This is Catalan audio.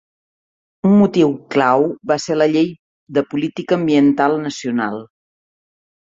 Un motiu clau va ser la Llei de Política Ambiental Nacional.